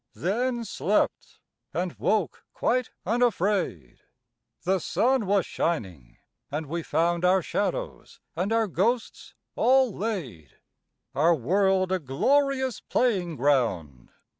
Then slept, and woke quite unafraid. The sun was shining, and we found Our shadows and our ghosts all laid, Our world a glorious playing ground.